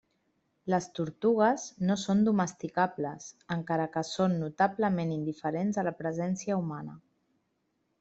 Les tortugues no són domesticables, encara que són notablement indiferents a la presència humana.